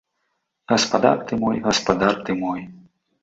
Гаспадар ты мой, гаспадар ты мой!